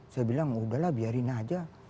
saya bilang udahlah biarin aja